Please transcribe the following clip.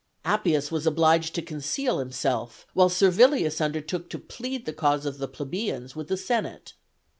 ] Appius was obliged to conceal himself, while Servilius undertook to plead the cause of the plebeians with the senate.